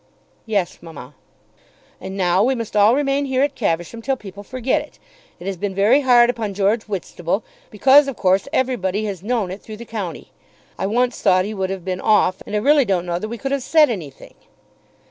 "Yes, mamma." "And now we must all remain here at Caversham till people forget it. It has been very hard upon George Whitstable, because of course everybody has known it through the county. I once thought he would have been off, and I really don't know that we could have said anything."